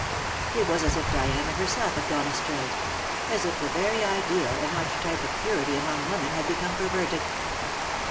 It was as if Diana herself had gone astray — as if the very ideal and archetype of purity among women had become perverted.